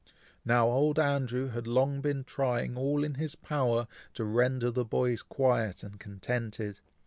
Now old Andrew had long been trying all in his power to render the boys quiet and contented.